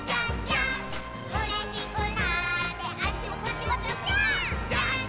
「うれしくなってあっちもこっちもぴょぴょーん」